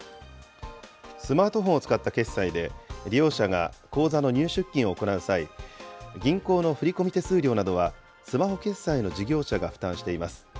スマートフォンを使った決済で、利用者が口座の入出金を行う際、銀行の振り込み手数料などはスマホ決済の事業者が負担しています。